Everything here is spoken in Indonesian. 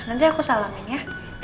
nanti aku salamin ya